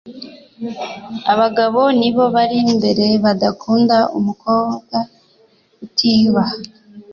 abagabo nibo ba mbere badakunda umukobwa utiyubaha